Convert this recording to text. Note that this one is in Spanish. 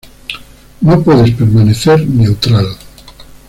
No puedes permanecer neutral.